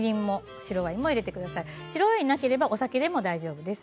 白ワインがなければお酒で大丈夫です。